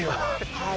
はい。